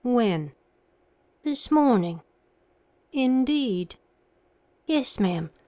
"When?" "This morning." "Indeed?" "Yes, ma'am.